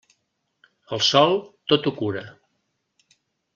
El sol, tot ho cura.